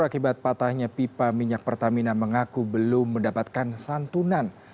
akibat patahnya pipa minyak pertamina mengaku belum mendapatkan santunan